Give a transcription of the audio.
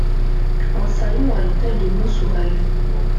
Un salon à l’hôtel de Montsorel.